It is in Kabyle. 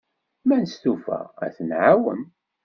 Ma nestufa, ad t-nɛawen.